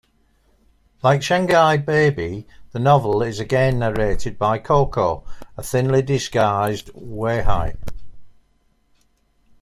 Like "Shanghai Baby", the novel is again narrated by Coco, a thinly disguised Weihui.